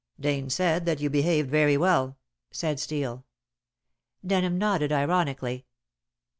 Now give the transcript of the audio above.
"Dane said that you behaved very well," said Steel. Denham nodded ironically.